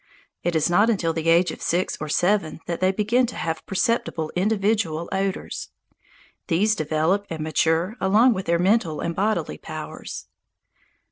It is not until the age of six or seven that they begin to have perceptible individual odours. These develop and mature along with their mental and bodily powers.